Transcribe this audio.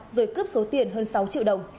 rồi cướp số tiền hơn sáu triệu đồng